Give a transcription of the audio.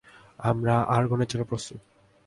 আমরা আর্গনের জন্য প্রস্তুত।